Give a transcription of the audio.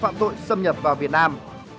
tội phạm tội xâm nhập vào việt nam